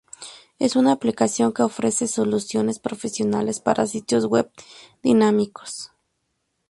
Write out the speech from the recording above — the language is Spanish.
Es una aplicación que ofrece soluciones profesionales para sitios Web dinámicos.